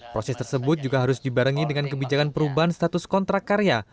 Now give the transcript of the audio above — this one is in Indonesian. proses tersebut juga harus dibarengi dengan kebijakan perubahan status kontrak karya